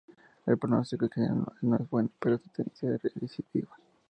El pronóstico en general no es bueno por su tendencia a la recidiva.